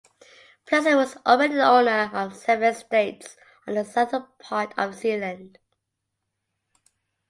Plessen was already the owner of seven estates on the southern part of Zealand.